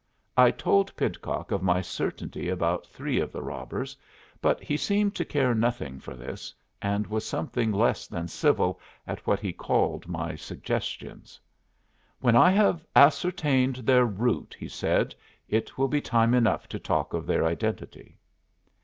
I told Pidcock of my certainty about three of the robbers, but he seemed to care nothing for this, and was something less than civil at what he called my suggestions. "When I have ascertained their route," he said, "it will be time enough to talk of their identity."